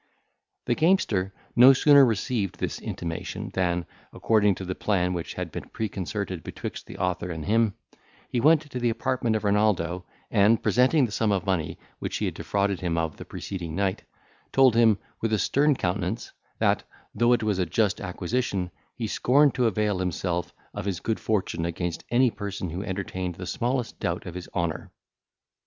The gamester no sooner received this intimation, than, according to the plan which had been preconcerted betwixt the author and him, he went to the apartment of Renaldo, and presenting the sum of money which he had defrauded him of the preceding night, told him, with a stern countenance, that, though it was a just acquisition, he scorned to avail himself of his good fortune against any person who entertained the smallest doubt of his honour.